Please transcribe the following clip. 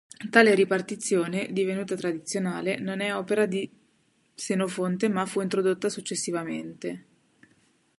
Tale ripartizione, divenuta tradizionale, non è opera di Senofonte ma fu introdotta successivamente.